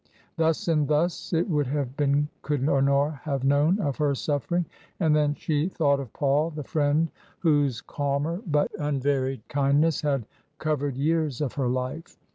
Thus and thus it would have been could Honora have known of her suffering. And then she thought of Paul, the friend whose calmer but unvaried kindness had covered years of her life.